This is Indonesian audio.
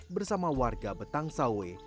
bersama warga betang sawi